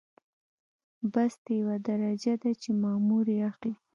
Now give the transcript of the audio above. بست یوه درجه ده چې مامور یې اخلي.